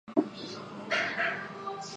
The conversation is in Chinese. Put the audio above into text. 乌尔克河畔普吕斯利。